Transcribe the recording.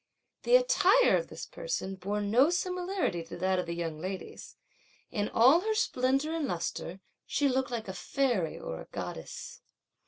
The attire of this person bore no similarity to that of the young ladies. In all her splendour and lustre, she looked like a fairy or a goddess.